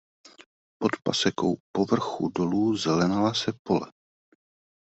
Pod pasekou po vrchu dolů zelenala se pole.